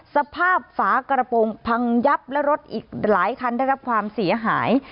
สภาพฝากระโปรงพังยับและรถอีกหลายคันได้รับความเสียหาย